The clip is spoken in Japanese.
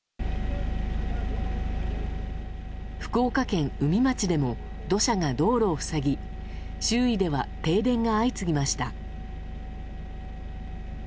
福岡県宇美町でも土砂が道路を塞ぎ周囲では停電が相次ぎました。